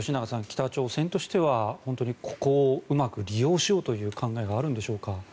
北朝鮮としてはここをうまく利用しようという考えがあるんでしょうか？